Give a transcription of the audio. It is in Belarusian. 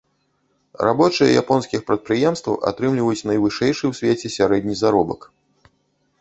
Рабочыя японскіх прадпрыемстваў атрымліваюць найвышэйшы ў свеце сярэдні заробак.